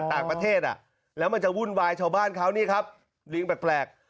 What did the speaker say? ต่างประเทศอ่ะแล้วมันจะวุ่นวายชาวบ้านเขานี่ครับลิงแปลก